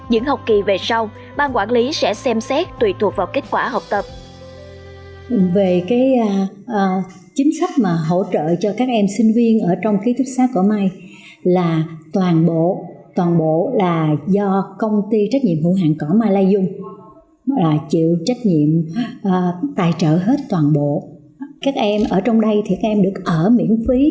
những học kỳ về sau ban quản lý sẽ được cấp tiền ăn hàng tuần lưu trú ký túc xác miễn phí